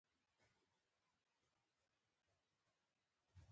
آیا جوار ډیرو اوبو ته اړتیا لري؟